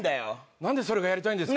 なんでそれがやりたいんですか？